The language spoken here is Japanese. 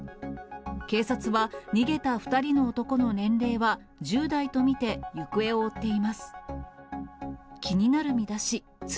警察は、逃げた２人の男の年齢は１０代と見て行方を追っています。